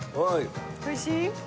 おいしい？